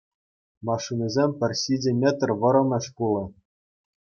Машинисем пӗр ҫичӗ метр вӑрӑмӗш пулӗ.